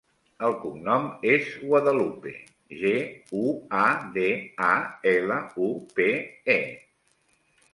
El cognom és Guadalupe: ge, u, a, de, a, ela, u, pe, e.